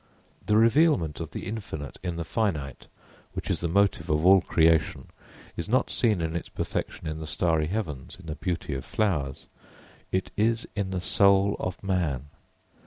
The revealment of the infinite in the finite, which is the motive of all creation, is not seen in its perfection in the starry heavens, in the beauty of flowers. It is in the soul of man.